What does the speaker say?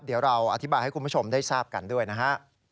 เดี๋ยวเราอธิบายให้คุณผู้ชมได้ทราบกันด้วยนะฮะ